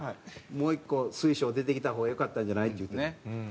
もう１個水晶出てきた方がよかったんじゃないって言うて。